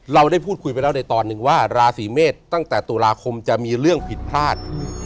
เราได้พูดคุยไปแล้วในตอนหนึ่งว่าราศีเมษตั้งแต่ตุลาคมจะมีเรื่องผิดพลาด